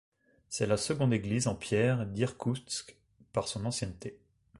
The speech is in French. C'est la seconde église en pierre d'Irkoutsk par son ancienneté.